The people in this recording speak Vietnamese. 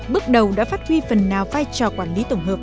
bước đầu đã phát huy phần nào vai trò quản lý tổng hợp